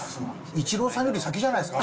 イチローさんより先じゃないですか。